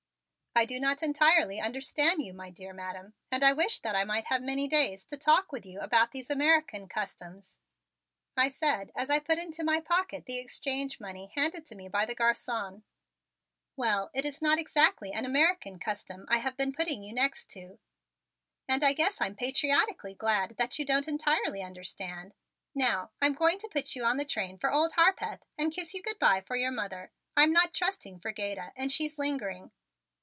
"I do not entirely understand you, my dear Madam, and I wish that I might have many days to talk with you about these American customs," I said as I put into my pocket the exchange money handed to me by the garçon. "Well, it is not exactly an American custom I have been putting you next to, and I guess I'm patriotically glad that you don't entirely understand. Now, I'm going to put you on the train for Old Harpeth and kiss you good bye for your mother. I'm not trusting Frigeda, and she's lingering.